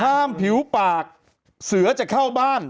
ผิวปากเสือจะเข้าบ้าน